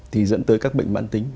thì dẫn tới các bệnh bản tính